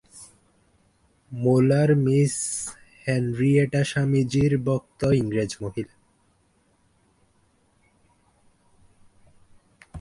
মূলার, Miss Henrietta স্বামীজীর ভক্ত ইংরেজ মহিলা।